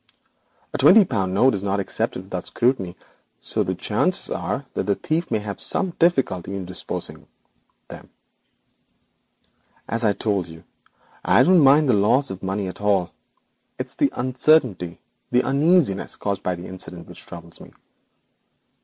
'A twenty pound note is not accepted without scrutiny, so the chances are the thief may find some difficulty in disposing of them.' 'As I told you, I don't mind the loss of the money at all. It is the uncertainty, the uneasiness caused by the incident which troubles me.